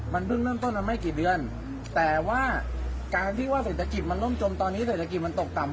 มันเพิ่งเริ่มต้นมาไม่กี่เดือนแต่ว่าการที่ว่าเศรษฐกิจมันล่มจมตอนนี้เศรษฐกิจมันตกต่ำ